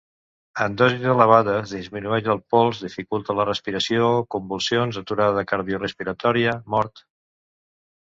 En dosis elevades, disminueix el pols, dificulta la respiració, convulsions, aturada cardiorespiratòria, mort.